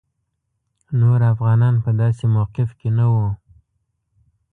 نور افغانان په داسې موقف کې نه وو.